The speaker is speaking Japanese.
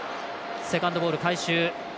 セカンドボール回収。